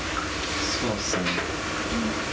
そうっすね。